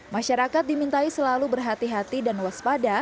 masyarakat dimintai selalu berhati hati dan waspada